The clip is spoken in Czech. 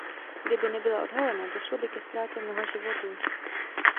Kdyby nebyla odhalena, došlo by ke ztrátě mnoha životů.